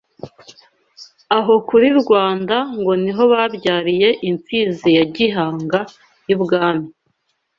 Aho kuri Rwanda ngo niho babyariye imfizi ya Gihanga y’Ubwami